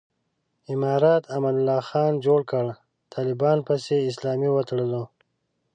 امارت امان الله خان جوړ کړ، طالبانو پسې اسلامي وتړلو.